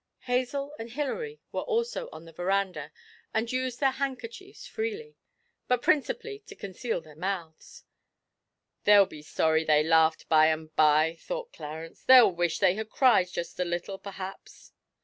Hazel and Hilary were also on the verandah, and used their handkerchiefs freely but principally to conceal their mouths. 'They'll be sorry they laughed by and by;' thought Clarence; 'they'll wish they had cried just a little, perhaps!'